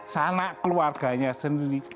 sanak keluarganya sendiri